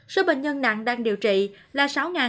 số bệnh nhân nặng đang điều trị là sáu bảy trăm hai mươi